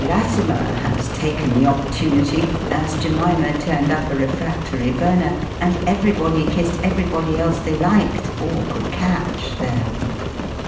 Latimer has "taken the opportunity," as Jemima turned up a refractory burner; and everybody kissed everybody else they liked, or could catch there.